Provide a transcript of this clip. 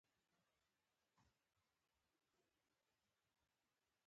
پنځمه اصلي موضوع مې په معاصره دوره کې